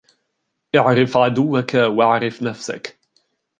إعرف عدوك وإعرف نفسك.